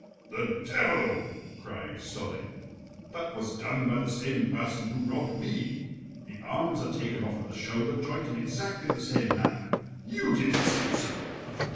"The devil!" cried Solling. "That was done by the same person who robbed me; the arms are taken off at the shoulder joint in exactly the same manner. You did it, Simsen!"